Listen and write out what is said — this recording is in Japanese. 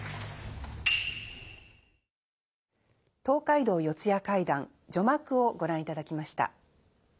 「東海道四谷怪談」序幕をご覧いただきました。